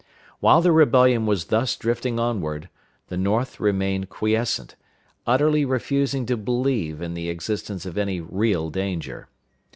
While the rebellion was thus drifting onward, the North remained quiescent, utterly refusing to believe in the existence of any real danger.